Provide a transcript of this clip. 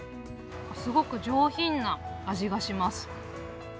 すごく上品な味がします。